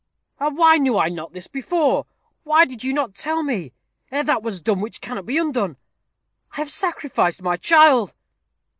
"Ah! why knew I not this before? Why did you not tell me ere that was done which cannot be undone? I have sacrificed my child."